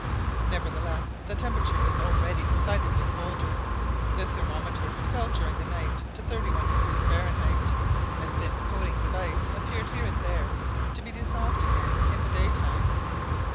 Nevertheless, the temperature was already decidedly colder, the thermometer fell during the night to 31° Fahrenheit; and thin coatings of ice appeared here and there, to be dissolved again in the day time.